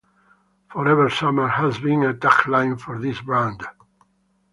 "Forever Summer" has been a tagline for this brand.